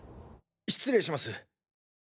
失礼します。